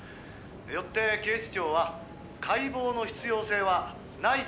「よって警視庁は解剖の必要性はないと判断しました」